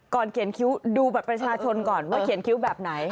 เขียนคิ้วดูบัตรประชาชนก่อนว่าเขียนคิ้วแบบไหน